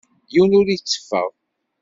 Yiwen ur yetteffeɣ.